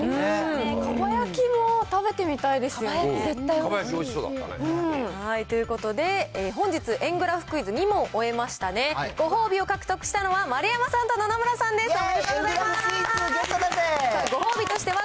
かば焼きも食べてみたいですよね。ということで、本日、円グラフクイズ２問終えましたね、ご褒美を獲得したのは丸山さんと野々村さんでした。